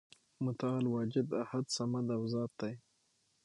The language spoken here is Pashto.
متعال واجد، احد، صمد او ذات دی ،